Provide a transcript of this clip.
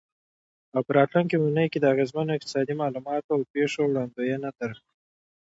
او په راتلونکې اونۍ کې د اغیزمنو اقتصادي معلوماتو او پیښو وړاندوینه درکړو.